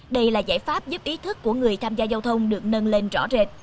đây là giải pháp giúp ý thức của người tham gia giao thông được nâng lên rõ rệt